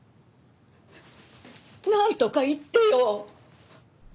なんとか言ってよ！